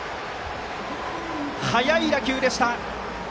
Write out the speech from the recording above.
速い打球でした。